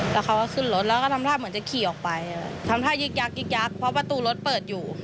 แล้วเขาก็ขึ้นรถแล้วก็ทำท่าเหมือนจะขี่ออกไปทำท่ายิกยักยึกยักเพราะประตูรถเปิดอยู่